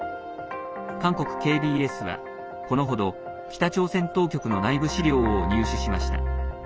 韓国ＫＢＳは、このほど北朝鮮当局の内部資料を入手しました。